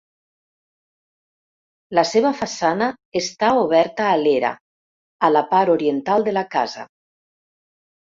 La seva façana està oberta a l'era a la part oriental de la casa.